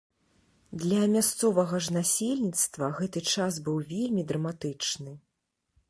Для мясцовага ж насельніцтва гэты час быў вельмі драматычны.